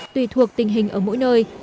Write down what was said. tùy thuộc tình hình ở mỗi nơi